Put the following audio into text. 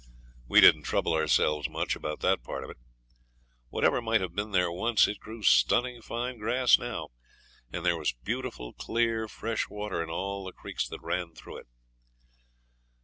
We didn't trouble ourselves much about that part of it. Whatever might have been there once, it grew stunning fine grass now, and there was beautiful clear fresh water in all the creeks that ran through it.